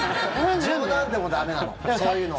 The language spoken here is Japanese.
冗談でも駄目なのそういうのは。